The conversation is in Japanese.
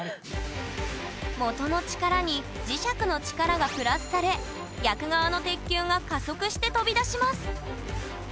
元の力に磁石の力がプラスされ逆側の鉄球が加速して飛び出します